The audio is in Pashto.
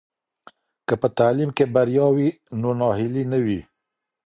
که په تعلیم کې بریا وي نو ناهیلي نه وي.